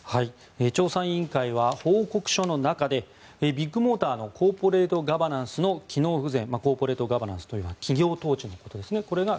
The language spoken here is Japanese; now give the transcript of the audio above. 調査委員会は報告書の中でビッグモーターのコーポレートガバナンスの機能不全コーポレートガバナンスとは企業統治ですね